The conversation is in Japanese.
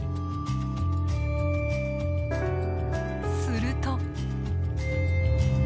すると。